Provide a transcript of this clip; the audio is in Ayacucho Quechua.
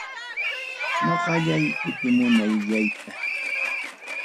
Ñoqallay kutimunallayta.